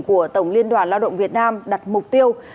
của tổng liên đoàn lao động việt nam đặt mục tiêu